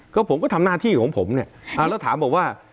ก็ผมก็ทำหน้าที่ของผมเนี่ยแล้วถามบอกว่า